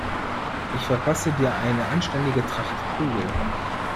Ich verpasse dir eine anständige Tracht Prügel.